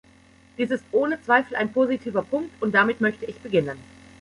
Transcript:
Dies ist ohne Zweifel ein positiver Punkt, und damit möchte ich beginnen.